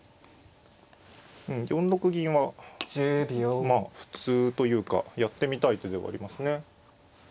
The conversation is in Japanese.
うん４六銀はまあ普通というかやってみたい手ではありますね。